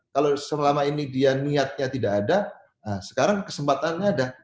kalau selama ini dia niatnya tidak ada sekarang kesempatannya ada